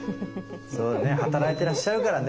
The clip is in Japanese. そうだね働いていらっしゃるからね。